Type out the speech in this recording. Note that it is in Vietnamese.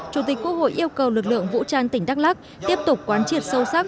chủ tịch quốc hội yêu cầu lực lượng vũ trang tỉnh đắk lắc tiếp tục quán triệt sâu sắc